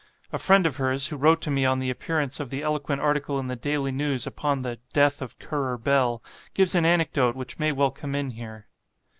A friend of hers, who wrote to me on the appearance of the eloquent article in the Daily News upon the "Death of Currer Bell," gives an anecdote which may well come in here.